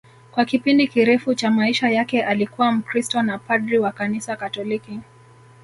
Kwa kipindi kirefu cha maisha yake alikuwa Mkristo na padri wa Kanisa Katoliki